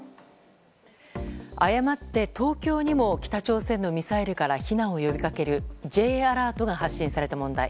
誤って東京にも北朝鮮のミサイルから避難を呼びかけるＪアラートが発信された問題。